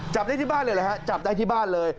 จับได้ที่บ้านเลยเหรอฮะจับได้ที่บ้านเลย